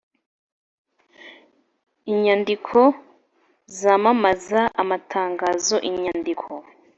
Inyandiko zamamaza amatangazo inyandiko